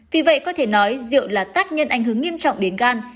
vì vậy có thể nói rượu là tác nhân ảnh hưởng nghiêm trọng đến gan